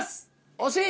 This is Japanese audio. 惜しい！